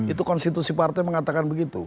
itu konstitusi partai mengatakan begitu